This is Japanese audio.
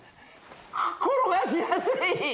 転がしやすい！